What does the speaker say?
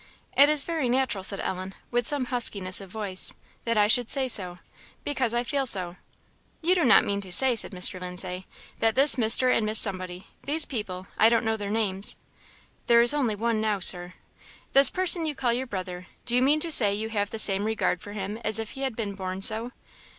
"It is very natural," said Ellen, with some huskiness of voice, "that I should say so, because I feel so." "You do not mean to say," said Mr. Lindsay, "that this Mr. and Miss Somebody these people I don't know their names " "There is only one now, Sir." "This person you call your brother do you mean to say you have the same regard for him as if he had been born so?"